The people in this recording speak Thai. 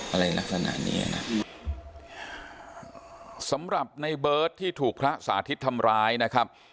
อะไรลักษณะนี้นะสำหรับในเบิร์ตที่ถูกพระสาธิตทำร้ายนะครับ